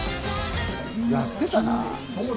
やってたな。